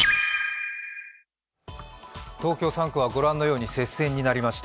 東京３区は御覧のように接戦になりました。